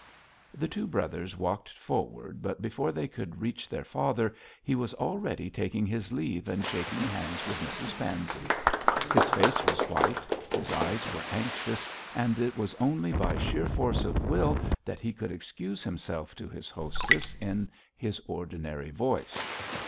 The two brothers walked forward, but before they could reach their father he was already taking his leave and shaking hands with Mrs Pansey. His face was white, his eyes were anxious, and it was only by sheer force of will that he could excuse himself to his hostess in his ordinary voice.